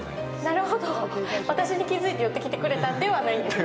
なるほど、私に気づいて寄ってきてくれたんではないんですね。